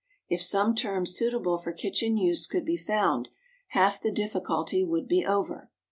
If some term suitable for kitchen use could be found, half the difficulty would be over.